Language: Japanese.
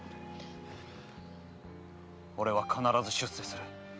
俺は必ず出世する。